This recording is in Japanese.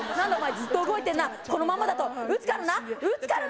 ずっと動いてんなこのままだと撃つからな撃つからな！